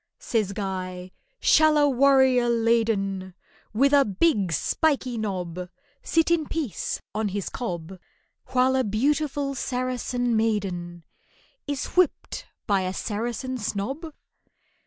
Says GUY, "Shall a warrior laden With a big spiky knob, Sit in peace on his cob While a beautiful Saracen maiden Is whipped by a Saracen snob?